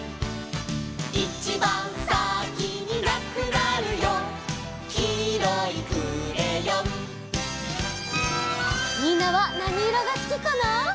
「いちばんさきになくなるよ」「きいろいクレヨン」みんなはなにいろがすきかな？